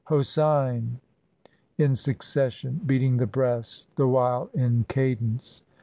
"Hosein!" in succession, beating the breast the while in cadence.